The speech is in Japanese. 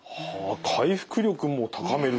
回復力も高める